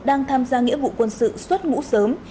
đang tham gia nghĩa vụ quân sự xuất ngũ sớm